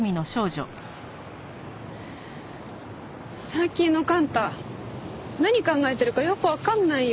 最近の幹太何考えてるかよくわかんないよ。